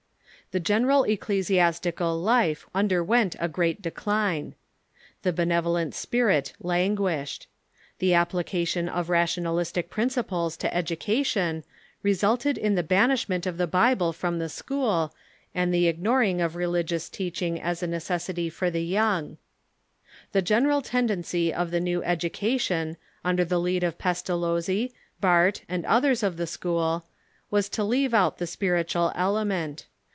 The general ecclesiastical life underwent a great decline. The benevolent spirit languished. The application of rationalistic principles to education resulted in the banishment of the Bible from the sctiool, and the ignoring of religious teaching as a 334 THE MODEUN CHURCH necessity for the young. The general tendency of the new education, under the lead of Pestalozzi, Bahrdt, and others of the school, was to leave out the spiritual element.